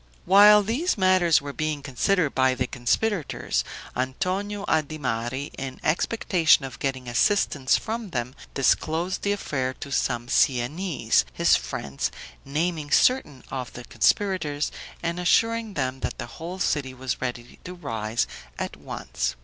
While these matters were being considered by the conspirators, Antonio Adimari, in expectation of getting assistance from them, disclosed the affair to some Siennese, his friends, naming certain of the conspirators, and assuring them that the whole city was ready to rise at once.